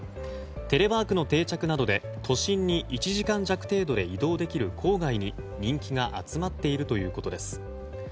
テレワークの定着などで都心に１時間弱程度で移動できる郊外に、人気が集まっているということです。